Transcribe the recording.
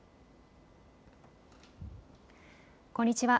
こんにちは。